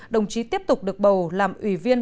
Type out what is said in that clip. đồng chí tiếp tục được bầu làm ủy viên